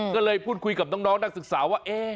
ก็เลยพูดคุยกับน้องนักศึกษาว่า